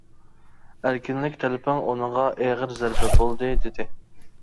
ئەركىنلىك تەلىپىڭ ئۇنىڭغا ئېغىر زەربە بولدى، -دېدى.